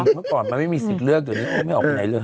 เหมือนก่อนมันไม่มีสิทธิ์เลือกโดยไม่ออกไปไหนเลย